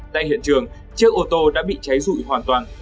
tại hiện trường chiếc ô tô đã bị cháy rụi hoàn toàn